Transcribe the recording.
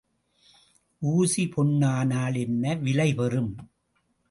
ஊசி பொன்னானால் என்ன விலை பெறும்.